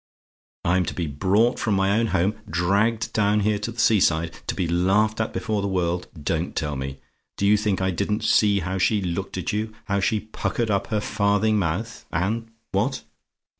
I'm to be brought from my own home dragged down here to the sea side to be laughed at before the world don't tell me. Do you think I didn't see how she looked at you how she puckered up her farthing mouth and what?